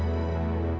kak mila yang serius e